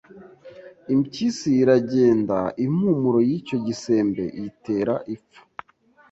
Impyisi iragenda Impumuro y'icyo gisembe iyitera ipfa.